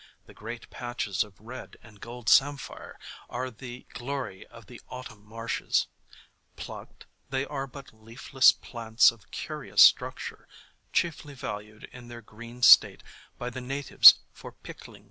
The great patches of red and gold Samphire are the glory of the autumn marshes; plucked, they are but leafless plants of curious structure, chiefly valued in their green state by the natives for pickling.